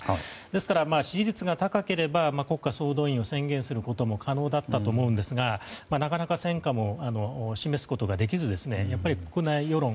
ですから、支持率が高ければ国家総動員を宣言することも可能だったと思うんですがなかなか戦果も示すことができず国内世論